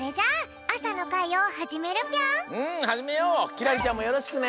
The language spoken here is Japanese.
輝星ちゃんもよろしくね。